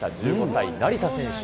１５歳、成田選手。